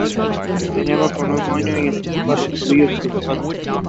Yang completed tertiary education while working at Samsung.